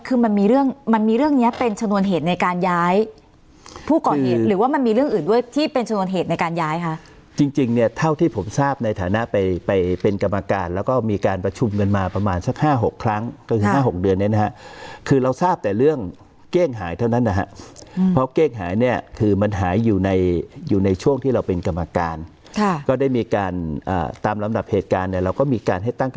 การย้ายผู้ก่อเหตุหรือว่ามันมีเรื่องอื่นด้วยที่เป็นส่วนเหตุในการย้ายค่ะจริงเนี่ยเท่าที่ผมทราบในฐานะไปไปเป็นกรรมการแล้วก็มีการประชุมเงินมาประมาณสักห้าหกครั้งก็คือห้าหกเดือนนี้นะฮะคือเราทราบแต่เรื่องเก้งหายเท่านั้นนะฮะเพราะเก้งหายเนี่ยคือมันหายอยู่ในอยู่ในช่วงที่เราเป็นกรรมการค่